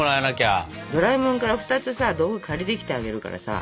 ドラえもんから２つさ道具借りてきてあげるからさ。